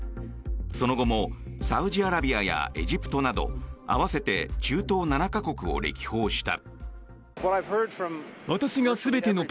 その後もサウジアラビアやエジプトなど合わせて中東７か国を歴訪した。